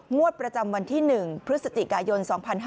งวดประจำวันที่๑พฤศจิกายน๒๕๕๙